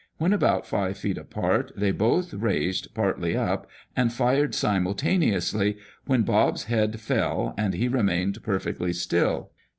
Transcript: When about five feet apart, they both raised partly up, and fired simultaneously, when Bob's head fell, and he remained perfectly still.